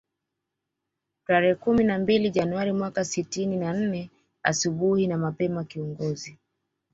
Tarehe kumi na mbili Januari mwaka sitini na nne asubuhi na mapema kiongozi